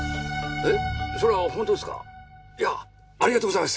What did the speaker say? えっ！？